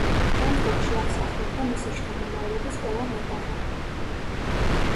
შემდგომში აქ სახლობდა მისი შთამომავლობის ყველა მებაღე.